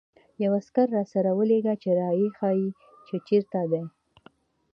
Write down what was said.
یو عسکر راسره ولېږه چې را يې ښيي، چې چېرته ده.